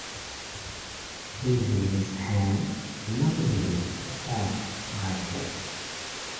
He laid his hand lovingly upon my head.